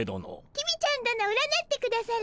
公ちゃん殿占ってくだされ。